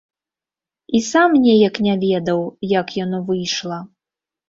І сам неяк не ведаў, як яно выйшла.